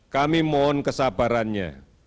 kami mohon kesabarannya